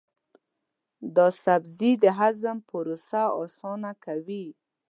دا سبزی د هضم پروسه اسانه کوي.